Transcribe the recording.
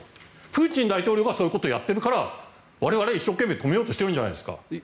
プーチン大統領がそういうことをやっているから我々は一生懸命止めようとしているんじゃないですか。